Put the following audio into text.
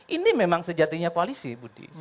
ini memang sejatinya koalisi budi